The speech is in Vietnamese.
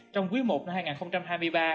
trong quý i năm hai nghìn hai mươi ba